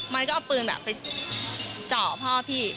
ยก็เอาปืนแบบไปเจาะพ่อพี่